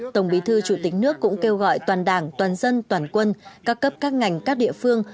tổng bí thư chủ tịch nước cũng kêu gọi toàn đảng toàn dân toàn quân